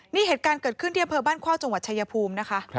นี่เหตุการณ์เกิดขึ้นที่อำเภอบ้านเข้าจังหวัดชายภูมินะคะ